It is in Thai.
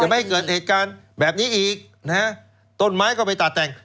จะไม่เกิดเหตุการณ์แบบนี้อีกต้นไม้ก็ไปตัดแต่ง